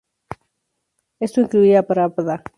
Esto incluía a Pravda.